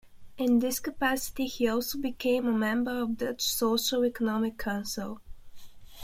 In this capacity he also became a member of the Dutch Social-Economic Council.